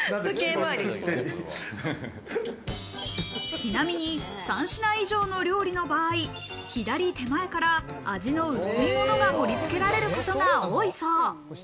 ちなみに３品以上の料理の場合、左手前から味の薄いものが盛りつけられることが多いそう。